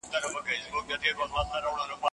څه وخت خصوصي سکتور پټرول تیل هیواد ته راوړي؟